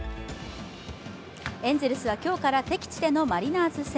エンゼルスは今日から敵地でのマリナーズ戦。